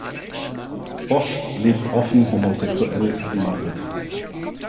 Bosch lebt offen homosexuell in Madrid.